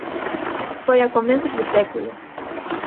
Foi a comezos de século.